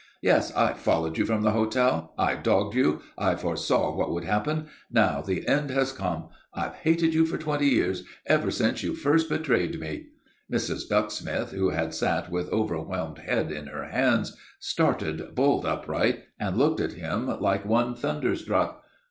Yes; I followed you from the hotel. I dogged you. I foresaw what would happen. Now the end has come. I've hated you for twenty years ever since you first betrayed me " Mrs. Ducksmith, who had sat with overwhelmed head in her hands, started bolt upright, and looked at him like one thunderstruck.